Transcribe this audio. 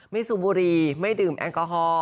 สูบบุรีไม่ดื่มแอลกอฮอล